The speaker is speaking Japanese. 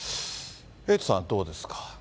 エイトさんはどうですか。